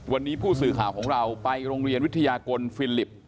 วันนี้ผู้สื่อข่าวของเราไปโรงเรียนวิทยากลฟิลิป